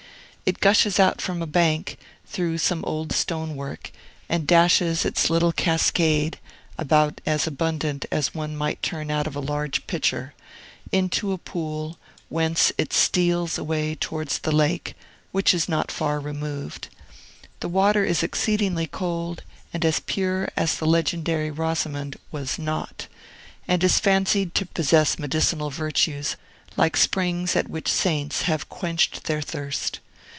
It gushes out from a bank, through some old stone work, and dashes its little cascade (about as abundant as one might turn out of a large pitcher) into a pool, whence it steals away towards the lake, which is not far removed. The water is exceedingly cold, and as pure as the legendary Rosamond was not, and is fancied to possess medicinal virtues, like springs at which saints have quenched their thirst.